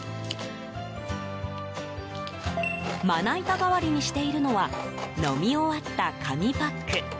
まな板代わりにしているのは飲み終わった紙パック。